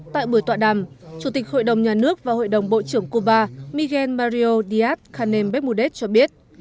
tại buổi tọa đàm chủ tịch hội đồng nhà nước và hội đồng bộ trưởng cuba miguel mario díaz canem becmudet cho biết